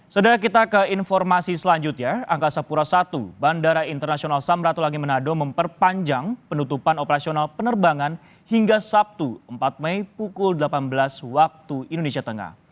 saudara kita ke informasi selanjutnya angkasa pura i bandara internasional samratulangi manado memperpanjang penutupan operasional penerbangan hingga sabtu empat mei pukul delapan belas waktu indonesia tengah